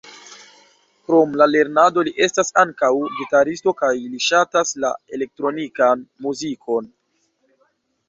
Krom la lernado li estas ankaŭ gitaristo kaj li ŝatas la elektronikan muzikon.